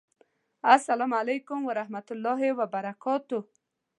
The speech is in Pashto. السلام علیکم ورحمة الله وبرکاته